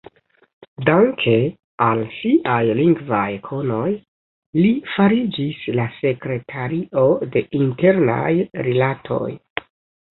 Danke al siaj lingvaj konoj, li fariĝis la sekretario de Internaj Rilatoj.